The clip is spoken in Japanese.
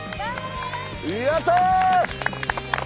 やった！